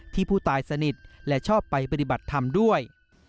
ที่ผู้ตายสนิทและชอบไปปฏิบัติธรรมด้วย